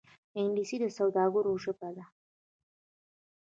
انګلیسي د سوداګرو ژبه ده